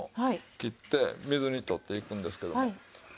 切って水にとっていくんですけども。